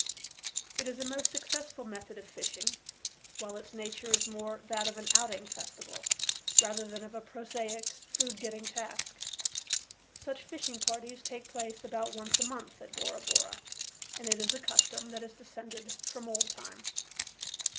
It is a most successful method of fishing, while its nature is more that of an outing festival, rather than of a prosaic, food getting task. Such fishing parties take place about once a month at Bora Bora, and it is a custom that has descended from old time.